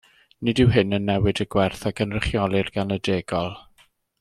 Nid yw hyn yn newid y gwerth a gynrychiolir gan y degol.